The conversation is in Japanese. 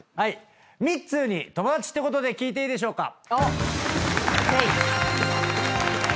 ミッツーに友達ってことで聞いていいでしょうか？